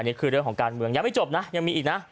นี่คือเรื่องของการเมืองยังไม่จบนะยังมีอีกนะ